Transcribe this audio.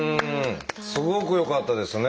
すごくよかったですね。